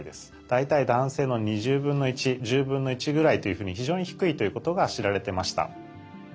大体男性のぐらいというふうに非常に低いということが知られてました。